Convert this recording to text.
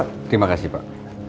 terima kasih pak